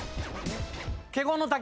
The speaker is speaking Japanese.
華厳の滝。